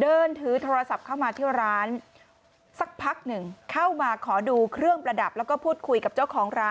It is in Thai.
เดินถือโทรศัพท์เข้ามาเที่ยวร้านสักพักหนึ่งเข้ามาขอดูเครื่องประดับแล้วก็พูดคุยกับเจ้าของร้าน